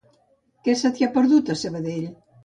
Què se t'hi ha perdut, a Sabadell?